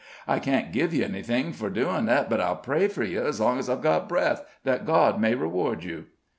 "I can't give you anything for doin' it, but I'll pray for you, as long as I've got breath, that God may reward you!"